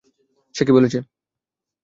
সে কী বলেছে?